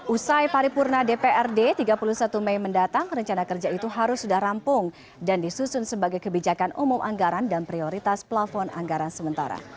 usai paripurna dprd tiga puluh satu mei mendatang rencana kerja itu harus sudah rampung dan disusun sebagai kebijakan umum anggaran dan prioritas plafon anggaran sementara